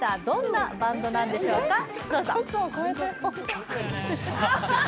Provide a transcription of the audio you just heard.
どんなバンドなんでしょうか。